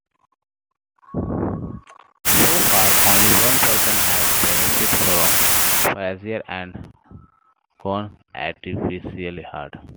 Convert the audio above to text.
So far, only one person has benefited from Frazier and Cohn's artificial heart.